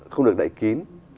không được đẩy kín